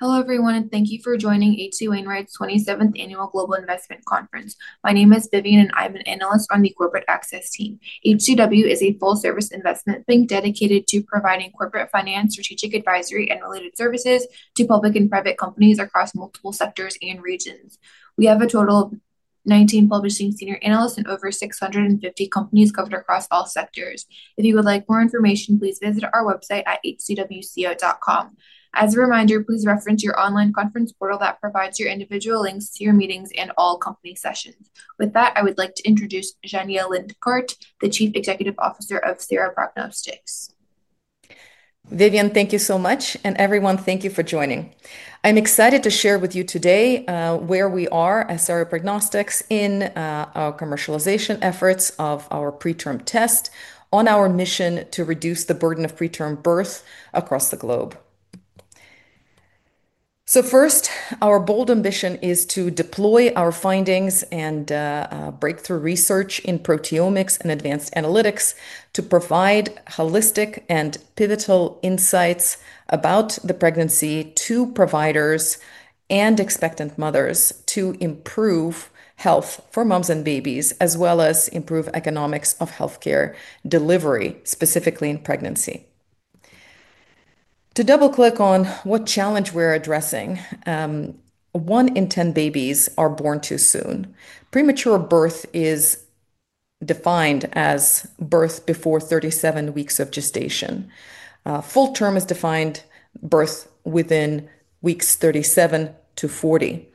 Hello everyone, and thank you for joining H.C. Wainwright's 27th Annual Global Investment Conference. My name is Vivian, and I'm an analyst on the Corporate Access team. HCW is a full-service investment bank dedicated to providing corporate finance, strategic advisory, and related services to public and private companies across multiple sectors and regions. We have a total of 19 publishing senior analysts at over 650 companies covered across all sectors. If you would like more information, please visit our website at hcwco.com. As a reminder, please reference your online conference portal that provides your individual links to your meetings and all company sessions. With that, I would like to introduce Zhenya Lindgardt, the Chief Executive Officer of Sera Prognostics. Vivian, thank you so much, and everyone, thank you for joining. I'm excited to share with you today where we are at Sera Prognostics in our commercialization efforts of our PreTRM Test on our mission to reduce the burden of preterm birth across the globe. First, our bold ambition is to deploy our findings and breakthrough research in proteomics and advanced analytics to provide holistic and pivotal insights about the pregnancy to providers and expectant mothers to improve health for moms and babies, as well as improve economics of healthcare delivery, specifically in pregnancy. To double-click on what challenge we're addressing, one in 10 babies are born too soon. Premature birth is defined as birth before 37 weeks of gestation. Full term is defined as birth within weeks 37- 40.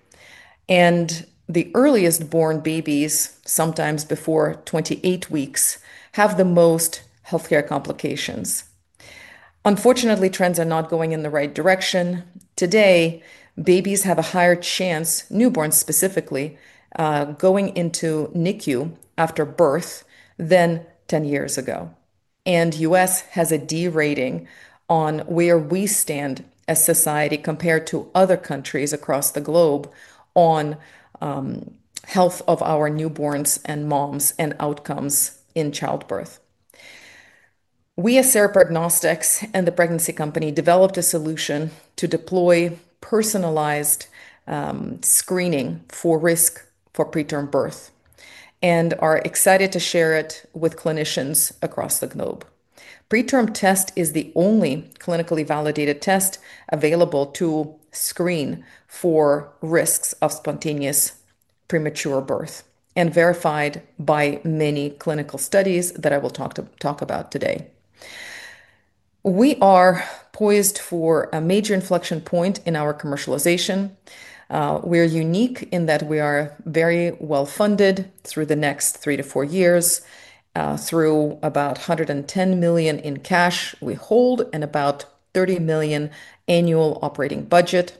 The earliest born babies, sometimes before 28 weeks, have the most healthcare complications. Unfortunately, trends are not going in the right direction. Today, babies have a higher chance, newborns specifically, going into NICU after birth than 10 years ago. The United States has a D rating on where we stand as a society compared to other countries across the globe on health of our newborns and moms and outcomes in childbirth. We at Sera Prognostics, the pregnancy company, developed a solution to deploy personalized screening for risk for preterm birth and are excited to share it with clinicians across the globe. PreTRM Test is the only clinically validated test available to screen for risks of spontaneous premature birth and verified by many clinical studies that I will talk about today. We are poised for a major inflection point in our commercialization. We're unique in that we are very well funded through the next three to four years, through about $110 million in cash we hold and about $30 million annual operating budget.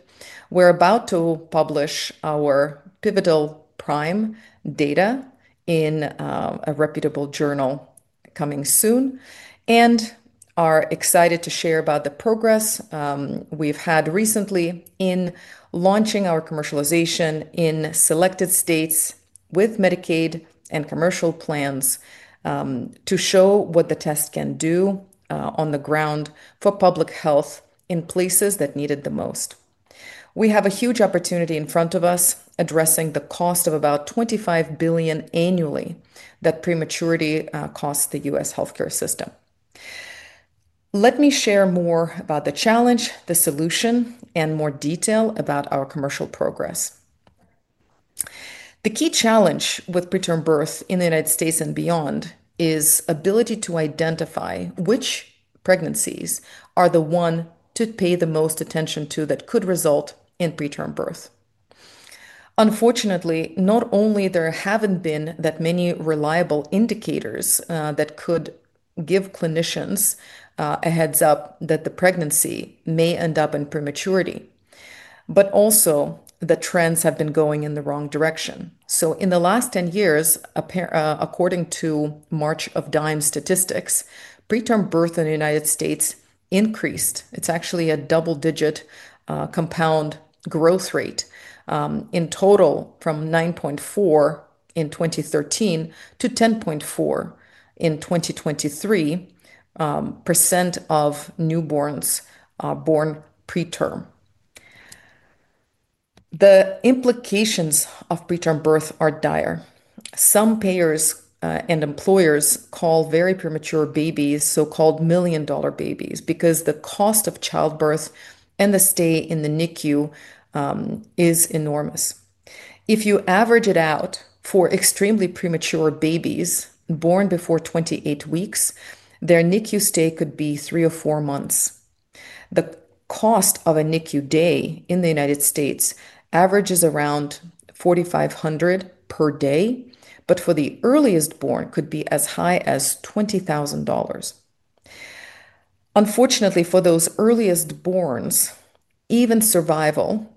We're about to publish our pivotal PRIME data in a reputable journal coming soon and are excited to share about the progress we've had recently in launching our commercialization in selected states with Medicaid and commercial plans to show what the test can do on the ground for public health in places that need it the most. We have a huge opportunity in front of us addressing the cost of about $25 billion annually that prematurity costs the U.S. healthcare system. Let me share more about the challenge, the solution, and more detail about our commercial progress. The key challenge with preterm birth in the United States and beyond is the ability to identify which pregnancies are the ones to pay the most attention to that could result in preterm birth. Unfortunately, not only there haven't been that many reliable indicators that could give clinicians a heads up that the pregnancy may end up in prematurity, but also the trends have been going in the wrong direction. In the last 10 years, according to March of Dimes statistics, preterm birth in the United States increased. It's actually a double-digit compound growth rate. In total, from 9.4% in 2013 to 10.4% in 2023, of newborns born preterm. The implications of preterm birth are dire. Some payers and employers call very premature babies, so-called million-dollar babies, because the cost of childbirth and the stay in the NICU is enormous. If you average it out for extremely premature babies born before 28 weeks, their NICU stay could be three or four months. The cost of a NICU day in the United States averages around $4,500 per day, but for the earliest born, it could be as high as $20,000. Unfortunately, for those earliest borns, even survival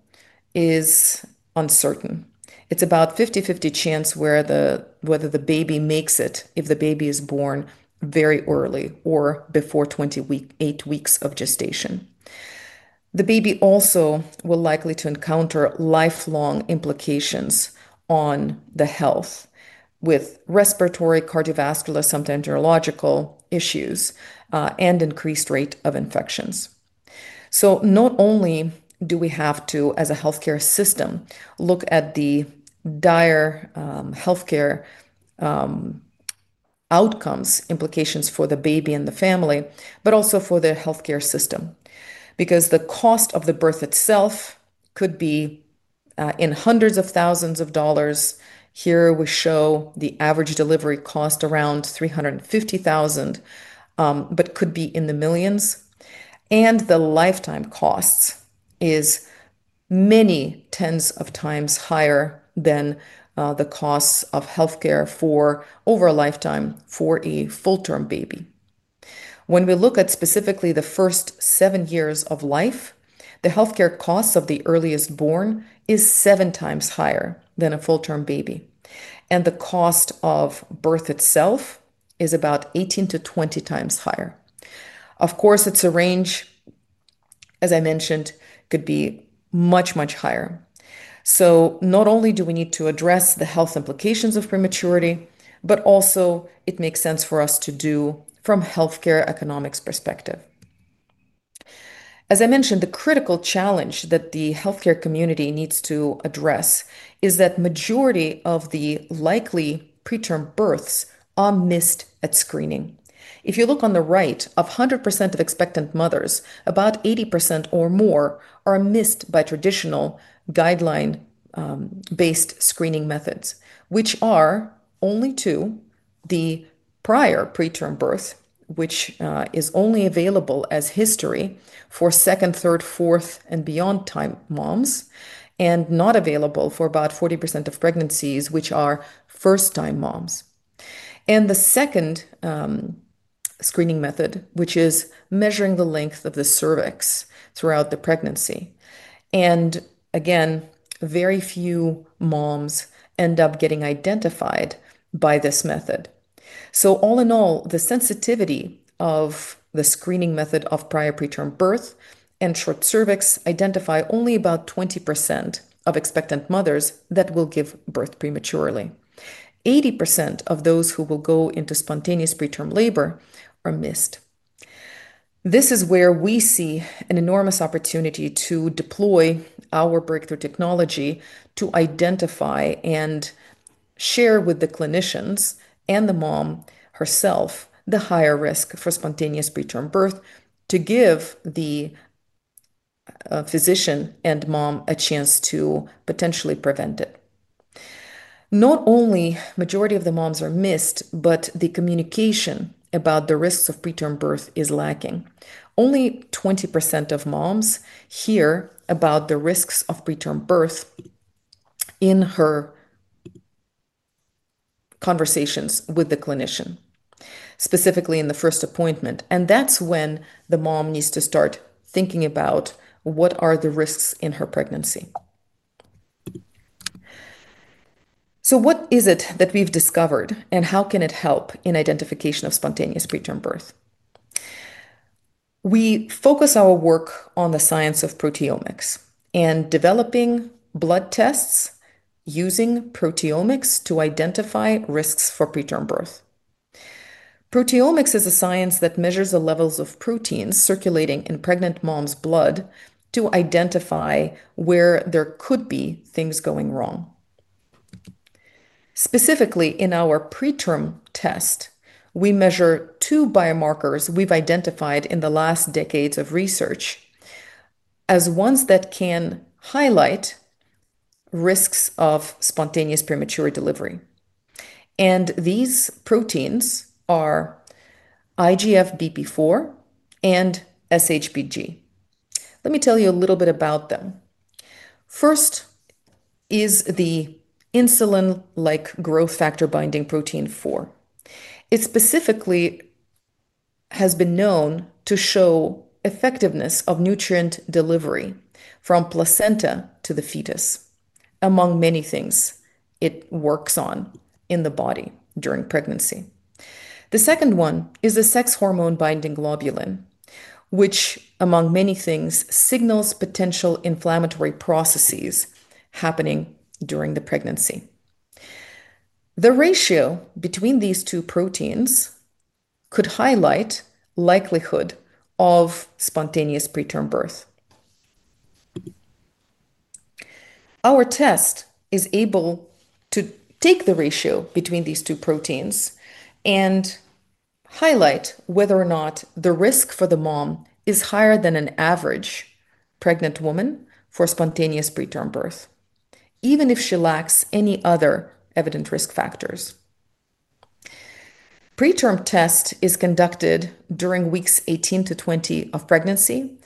is uncertain. It's about a 50/50 chance whether the baby makes it if the baby is born very early or before 28 weeks of gestation. The baby also will likely encounter lifelong implications on the health, with respiratory, cardiovascular, sometimes neurological issues, and an increased rate of infections. Not only do we have to, as a healthcare system, look at the dire healthcare outcomes, implications for the baby and the family, but also for the healthcare system, because the cost of the birth itself could be in hundreds of thousands of dollars. Here we show the average delivery cost around $350,000, but could be in the millions. The lifetime cost is many tens of times higher than the costs of healthcare for over a lifetime for a full-term baby. When we look at specifically the first seven years of life, the healthcare cost of the earliest born is 7x higher than a full-term baby. The cost of birth itself is about 18x-20x higher. Of course, it's a range, as I mentioned, could be much, much higher. Not only do we need to address the health implications of prematurity, but also it makes sense for us to do from a healthcare economics perspective. As I mentioned, the critical challenge that the healthcare community needs to address is that the majority of the likely preterm births are missed at screening. If you look on the right, 100% of expectant mothers, about 80% or more, are missed by traditional guideline-based screening methods, which are only two. The prior preterm birth, which is only available as history for second, third, fourth, and beyond time moms, and not available for about 40% of pregnancies, which are first-time moms. The second screening method, which is measuring the length of the cervix throughout the pregnancy. Again, very few moms end up getting identified by this method. All in all, the sensitivity of the screening method of prior preterm birth and short cervix identifies only about 20% of expectant mothers that will give birth prematurely. 80% of those who will go into spontaneous preterm labor are missed. This is where we see an enormous opportunity to deploy our breakthrough technology to identify and share with the clinicians and the mom herself the higher risk for spontaneous preterm birth to give the physician and mom a chance to potentially prevent it. Not only the majority of the moms are missed, but the communication about the risks of preterm birth is lacking. Only 20% of moms hear about the risks of preterm birth in her conversations with the clinician, specifically in the first appointment. That's when the mom needs to start thinking about what are the risks in her pregnancy. What is it that we've discovered and how can it help in the identification of spontaneous preterm birth? We focus our work on the science of proteomics and developing blood tests using proteomics to identify risks for preterm birth. Proteomics is a science that measures the levels of proteins circulating in pregnant moms' blood to identify where there could be things going wrong. Specifically, in our PreTRM Test, we measure two biomarkers we've identified in the last decades of research as ones that can highlight risks of spontaneous premature delivery. These proteins are IGFBP4 and SHBG. Let me tell you a little bit about them. First is the insulin-like growth factor binding protein 4. It specifically has been known to show the effectiveness of nutrient delivery from placenta to the fetus, among many things it works on in the body during pregnancy. The second one is the sex hormone binding globulin, which, among many things, signals potential inflammatory processes happening during the pregnancy. The ratio between these two proteins could highlight the likelihood of spontaneous preterm birth. Our test is able to take the ratio between these two proteins and highlight whether or not the risk for the mom is higher than an average pregnant woman for spontaneous preterm birth, even if she lacks any other evident risk factors. The PreTRM Test is conducted during weeks 18- 20 of pregnancy,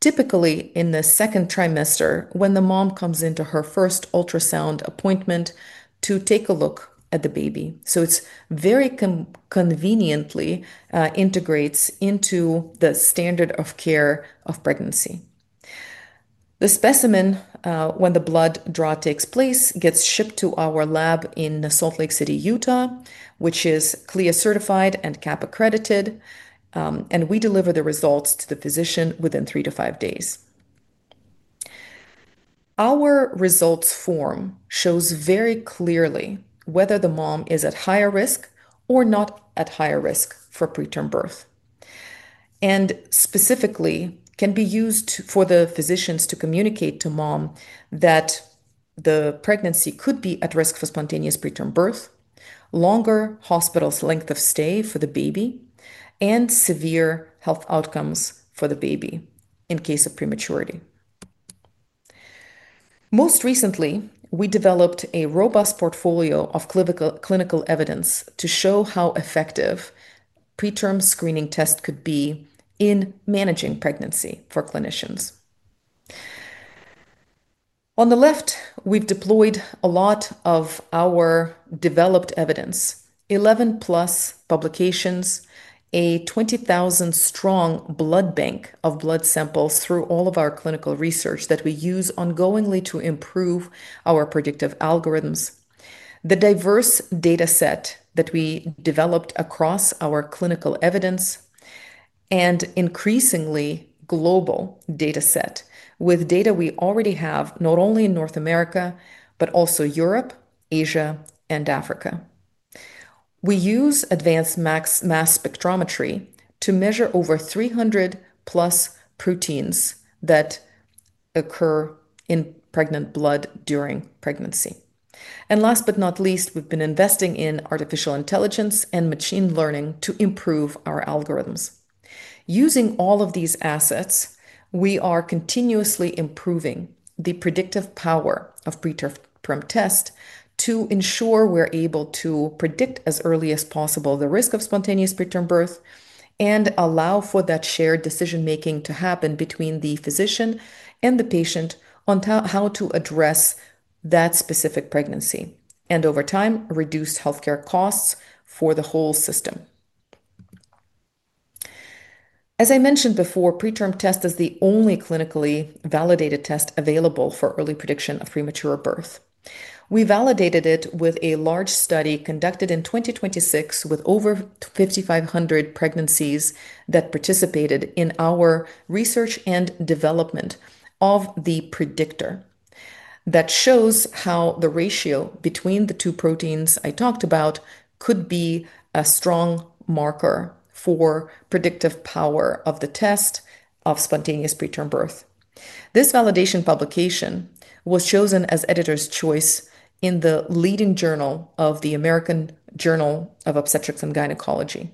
typically in the second trimester when the mom comes into her first ultrasound appointment to take a look at the baby. It very conveniently integrates into the standard of care of pregnancy. The specimen, when the blood draw takes place, gets shipped to our lab in Salt Lake City, Utah, which is CLIA certified and CAP accredited, and we deliver the results to the physician within three to five days. Our results form shows very clearly whether the mom is at higher risk or not at higher risk for preterm birth and specifically can be used for the physicians to communicate to mom that the pregnancy could be at risk for spontaneous preterm birth, longer hospital length of stay for the baby, and severe health outcomes for the baby in case of prematurity. Most recently, we developed a robust portfolio of clinical evidence to show how effective PreTRM screening tests could be in managing pregnancy for clinicians. On the left, we've deployed a lot of our developed evidence, 11+ publications, a 20,000-strong blood bank of blood samples through all of our clinical research that we use ongoingly to improve our predictive algorithms, the diverse data set that we developed across our clinical evidence, and an increasingly global data set with data we already have not only in North America but also Europe, Asia, and Africa. We use advanced mass spectrometry to measure over 300+ proteins that occur in pregnant blood during pregnancy. Last but not least, we've been investing in artificial intelligence and machine learning to improve our algorithms. Using all of these assets, we are continuously improving the predictive power of PreTRM Test to ensure we're able to predict as early as possible the risk of spontaneous preterm birth and allow for that shared decision-making to happen between the physician and the patient on how to address that specific pregnancy and, over time, reduce healthcare costs for the whole system. As I mentioned before, PreTRM Test is the only clinically- validated test available for early prediction of premature birth. We validated it with a large study conducted in 2026 with over 5,500 pregnancies that participated in our research and development of the predictor that shows how the ratio between the two proteins I talked about could be a strong marker for the predictive power of the test of spontaneous preterm birth. This validation publication was chosen as Editor's Choice in the leading journal of the American Journal of Obstetrics and Gynecology.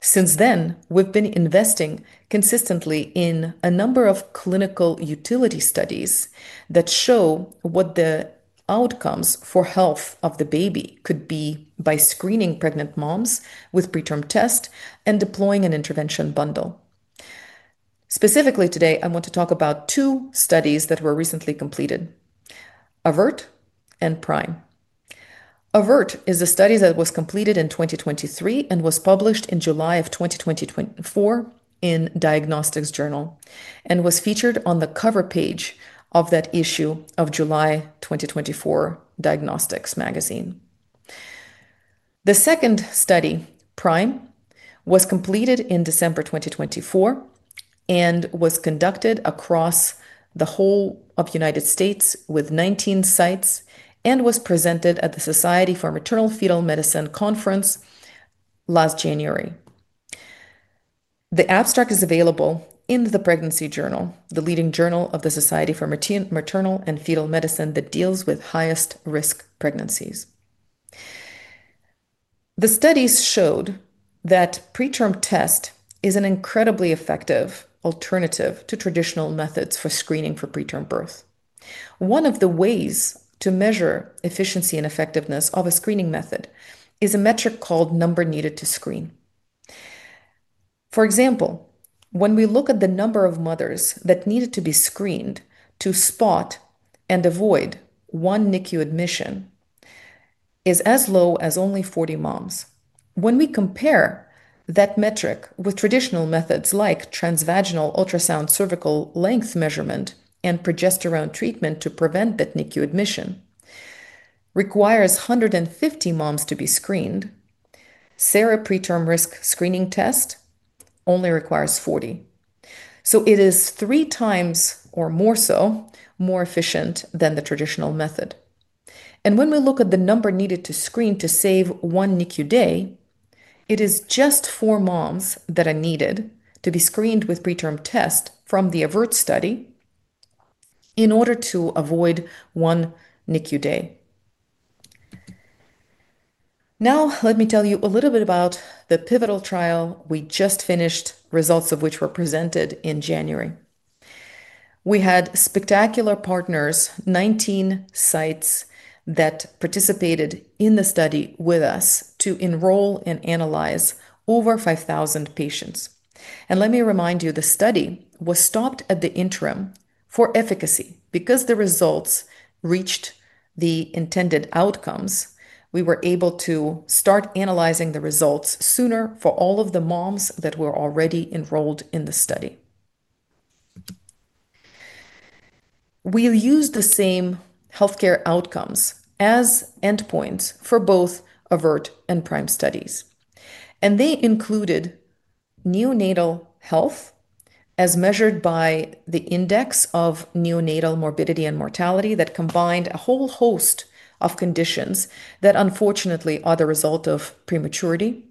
Since then, we've been investing consistently in a number of clinical utility studies that show what the outcomes for health of the baby could be by screening pregnant moms with PreTRM Test and deploying an intervention bundle. Specifically today, I want to talk about two studies that were recently completed: AVERT and PRIME. AVERT is a study that was completed in 2023 and was published in July of 2024 in Diagnostics Journal and was featured on the cover page of that issue of July 2024 Diagnostics Magazine. The second study, PRIME, was completed in December 2024 and was conducted across the whole of the United States with 19 sites and was presented at the Society for Maternal Fetal Medicine Conference last January. The abstract is available in the Pregnancy Journal, the leading journal of the Society for Maternal and Fetal Medicine that deals with highest-risk pregnancies. The studies showed that the PreTRM Test is an incredibly effective alternative to traditional methods for screening for preterm birth. One of the ways to measure efficiency and effectiveness of a screening method is a metric called the number needed to screen. For example, when we look at the number of mothers that needed to be screened to spot and avoid one NICU admission, it is as low as only 40 moms. When we compare that metric with traditional methods like transvaginal ultrasound cervical length measurement and progesterone treatment to prevent NICU admission, which requires 150 moms to be screened, the Sera preterm risk screening test only requires 40. It is 3x or more so more efficient than the traditional method. When we look at the number needed to screen to save one NICU day, it is just four moms that are needed to be screened with the PreTRM Test from the AVERT study in order to avoid one NICU day. Now let me tell you a little bit about the pivotal trial we just finished, the results of which were presented in January. We had spectacular partners, 19 sites that participated in the study with us to enroll and analyze over 5,000 patients. Let me remind you, the study was stopped at the interim for efficacy. Because the results reached the intended outcomes, we were able to start analyzing the results sooner for all of the moms that were already enrolled in the study. We use the same healthcare outcomes as endpoints for both AVERT and PRIME studies, and they included neonatal health as measured by the index of neonatal morbidity and mortality that combined a whole host of conditions that unfortunately are the result of prematurity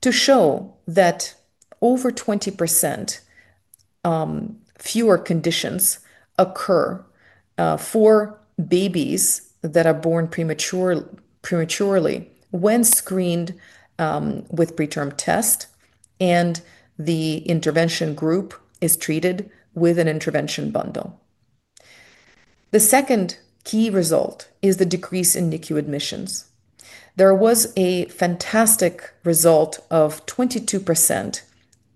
to show that over 20% fewer conditions occur for babies that are born prematurely when screened with the PreTRM Test, and the intervention group is treated with an intervention bundle. The second key result is the decrease in NICU admissions. There was a fantastic result of 22%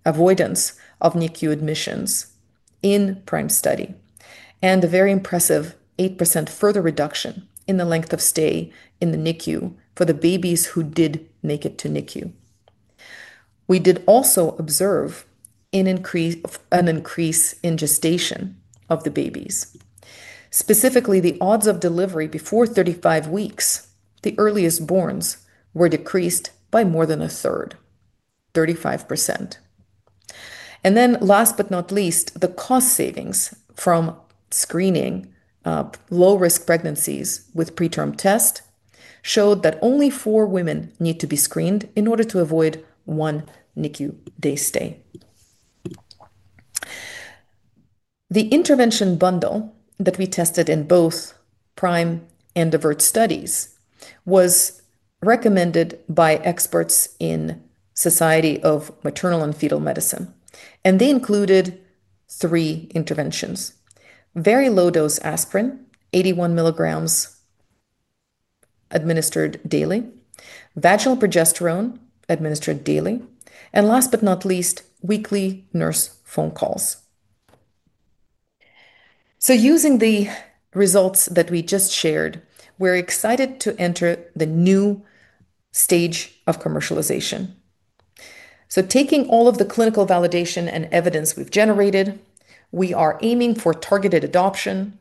avoidance of NICU admissions in the PRIME study and a very impressive 8% further reduction in the length of stay in the NICU for the babies who did make it to NICU. We did also observe an increase in gestation of the babies. Specifically, the odds of delivery before 35 weeks, the earliest borns, were decreased by more than a 1/3, 35%. Last but not least, the cost savings from screening low-risk pregnancies with the PreTRM Test showed that only four women need to be screened in order to avoid one NICU day stay. The intervention bundle that we tested in both the PRIME and AVERT studies was recommended by experts in the Society of Maternal and Fetal Medicine, and they included three interventions: very low-dose aspirin, 81 mg administered daily; vaginal progesterone administered daily; and last but not least, weekly nurse phone calls. Using the results that we just shared, we're excited to enter the new stage of commercialization. Taking all of the clinical validation and evidence we've generated, we are aiming for targeted adoption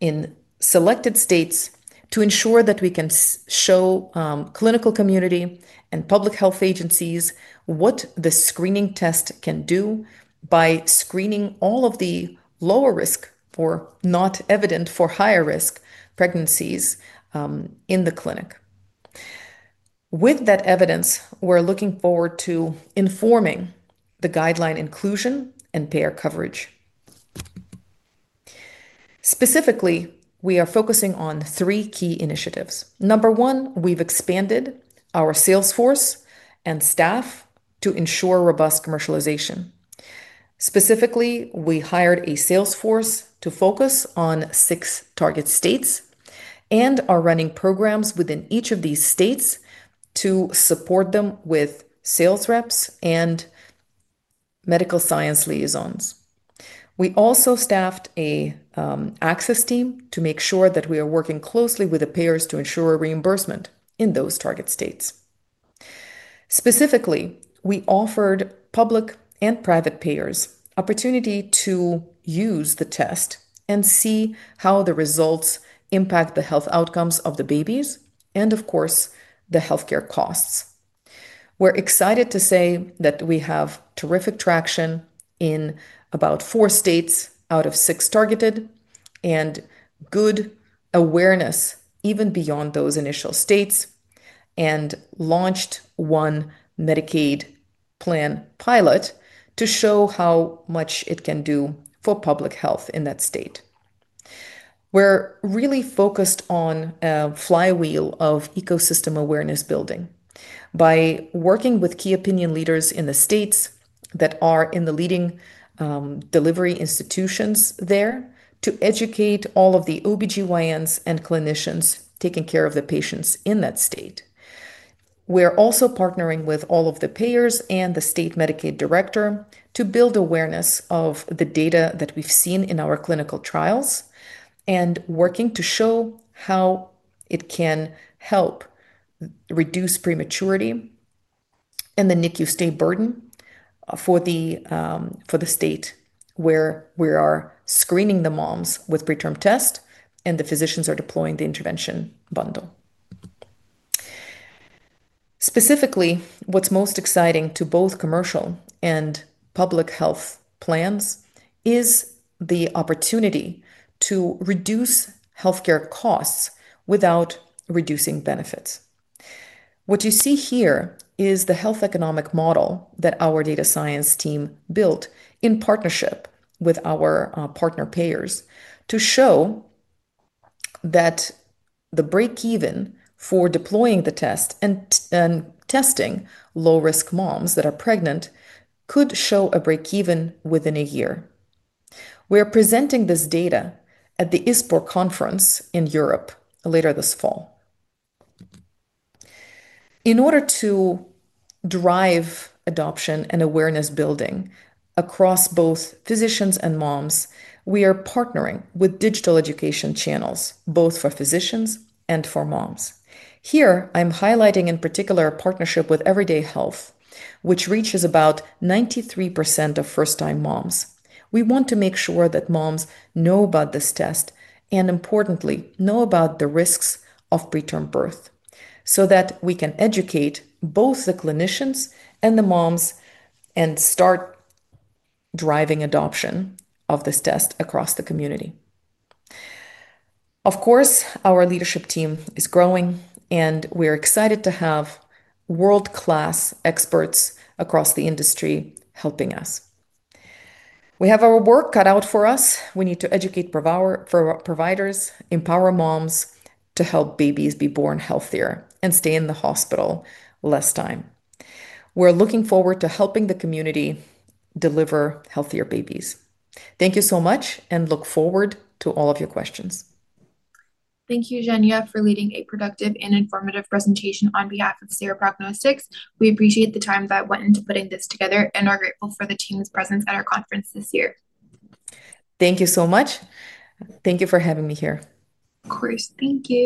in selected states to ensure that we can show the clinical community and public health agencies what the screening test can do by screening all of the lower risk or not evident for higher risk pregnancies in the clinic. With that evidence, we're looking forward to informing the guideline inclusion and payer coverage. Specifically, we are focusing on three key initiatives. Number one, we've expanded our sales force and staff to ensure robust commercialization. Specifically, we hired a sales force to focus on six target states and are running programs within each of these states to support them with sales reps and medical science liaisons. We also staffed an Access Team to make sure that we are working closely with the payers to ensure reimbursement in those target states. Specifically, we offered public and private payers the opportunity to use the test and see how the results impact the health outcomes of the babies and, of course, the healthcare costs. We're excited to say that we have terrific traction in about four states out of six targeted and good awareness even beyond those initial states and launched one Medicaid plan pilot to show how much it can do for public health in that state. We're really focused on a flywheel of ecosystem awareness building by working with key opinion leaders in the states that are in the leading delivery institutions there to educate all of the OB/GYNs and clinicians taking care of the patients in that state. We're also partnering with all of the payers and the state Medicaid director to build awareness of the data that we've seen in our clinical trials and working to show how it can help reduce prematurity and the NICU stay burden for the state where we are screening the moms with the PreTRM Test and the physicians are deploying the intervention bundle. Specifically, what's most exciting to both commercial and public health plans is the opportunity to reduce healthcare costs without reducing benefits. What you see here is the health economic model that our Data Science Team built in partnership with our partner payers to show that the breakeven for deploying the test and testing low-risk moms that are pregnant could show a breakeven within a year. We're presenting this data at the ISPOR Europe Conference later this fall. In order to drive adoption and awareness building across both physicians and moms, we are partnering with digital education channels both for physicians and for moms. Here, I'm highlighting in particular a partnership with Everyday Health, which reaches about 93% of first-time moms. We want to make sure that moms know about this test and, importantly, know about the risks of preterm birth so that we can educate both the clinicians and the moms and start driving adoption of this test across the community. Of course, our leadership team is growing, and we're excited to have world-class experts across the industry helping us. We have our work cut out for us. We need to educate providers, empower moms to help babies be born healthier and stay in the hospital less time. We're looking forward to helping the community deliver healthier babies. Thank you so much, and look forward to all of your questions. Thank you, Zhenya, for leading a productive and informative presentation on behalf of Sera Prognostics. We appreciate the time that went into putting this together, and are grateful for the team's presence at our conference this year. Thank you so much. Thank you for having me here. Of course, thank you.